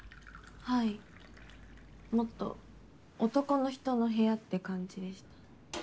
はいもっと男の人の部屋って感じでした。